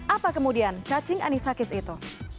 apa kemudian cacing anisakis itu